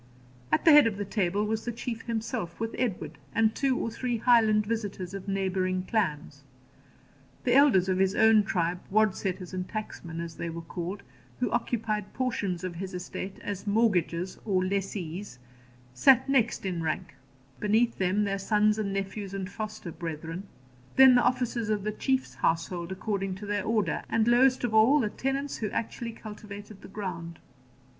At the head of the table was the Chief himself, with Edward, and two or three Highland visitors of neighbouring clans; the elders of his own tribe, wadsetters and tacksmen, as they were called, who occupied portions of his estate as mortgagers or lessees, sat next in rank; beneath them, their sons and nephews and foster brethren; then the officers of the Chief's household, according to their order; and lowest of all, the tenants who actually cultivated the ground.